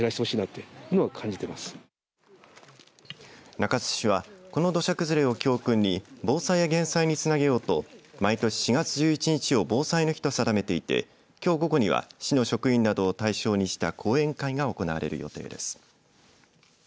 中津市はこの土砂崩れを教訓に防災や減災につなげようと毎年４月１１日を防災の日と定めていてきょう午後には市の職員などを対象にした講演会が行われる予定です。